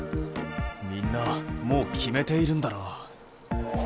みんなもうきめているんだなぁ。